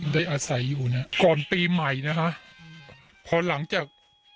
ได้อาศัยอยู่เนี่ยก่อนปีใหม่นะคะพอหลังจาก